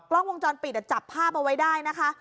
กล้องวงจรปิดจับภาพเอาไว้ได้นะคะ